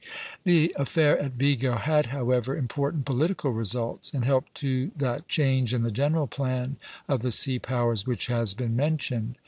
The affair at Vigo had, however, important political results, and helped to that change in the general plan of the sea powers which has been mentioned.